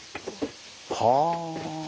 はあ。